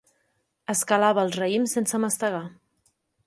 Es calava els raïms sense mastegar.